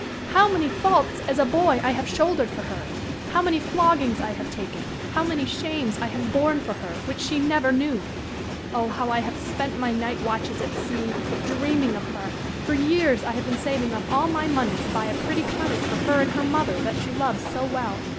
how many faults as a boy I have shouldered for her. How many floggings I have taken. How many shames I have borne for her, which she never knew. Oh! how I have spent my night watches at sea, dreaming of her. For years I have been saving up all my money to buy a pretty cottage for her and her mother that she loves so well.